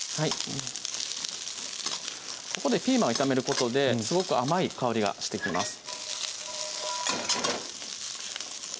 ここでピーマンを炒めることですごく甘い香りがしてきます